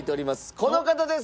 この方です。